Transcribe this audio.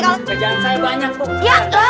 kerjaan saya banyak bu